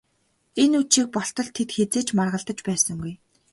Энэ үдшийг болтол тэд хэзээ ч маргалдаж байсангүй.